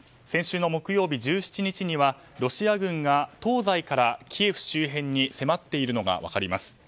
先週の木曜日、１７日にはロシア軍が東西からキエフ周辺に迫っているのが分かります。